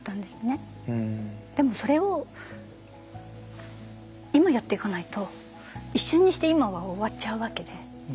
でもそれを今やっていかないと一瞬にして今は終わっちゃうわけで。